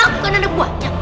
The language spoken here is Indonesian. aku kan ada buatnya